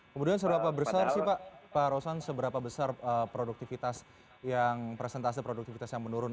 kemudian seberapa besar sih pak rosan seberapa besar produktivitas yang presentase produktivitas yang menurun